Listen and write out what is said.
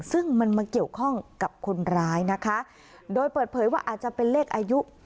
ซึ่งมันมาเกี่ยวข้องกับคนร้ายนะคะโดยเปิดเผยว่าอาจจะเป็นเลขอายุ